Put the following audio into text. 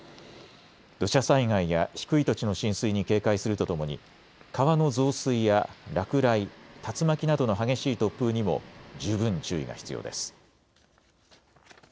土砂災害や低い土地の浸水に警戒するとともに川の増水や落雷、竜巻などの激しい突風にも十分注意が必要です。